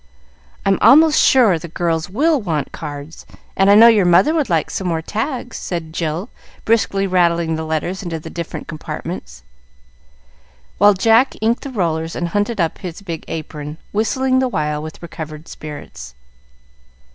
I'm almost sure the girls will want cards, and I know your mother would like some more tags," said Jill, briskly rattling the letters into the different compartments, while Jack inked the rollers and hunted up his big apron, whistling the while with recovered spirits.